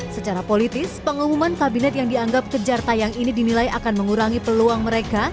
secara politis pengumuman kabinet yang dianggap kejar tayang ini dinilai akan mengurangi peluang mereka